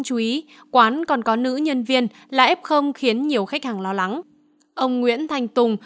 chú ý quán còn có nữ nhân viên là ép không khiến nhiều khách hàng lo lắng ông nguyễn thành tùng